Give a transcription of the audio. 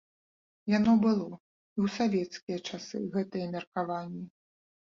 Яно было і ў савецкія часы гэтае меркаванне.